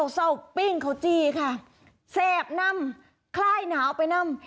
เศร้าปิ้งข้าวจี้ค่ะเสพนำคล่ายหนาวไปนำ